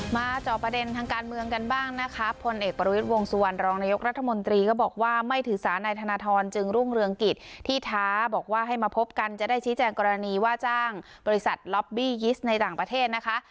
จอบประเด็นทางการเมืองกันบ้างนะคะพลเอกประวิทย์วงสุวรรณรองนายกรัฐมนตรีก็บอกว่าไม่ถือสารนายธนทรจึงรุ่งเรืองกิจที่ท้าบอกว่าให้มาพบกันจะได้ชี้แจงกรณีว่าจ้างบริษัทล็อบบี้ยิสต์ในต่างประเทศนะคะ